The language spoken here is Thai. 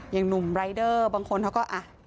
อย่างหนุ่มรายเดอร์บางคนเขาก็อ่ะ